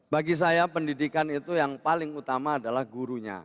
bagi saya pendidikan itu yang paling utama adalah gurunya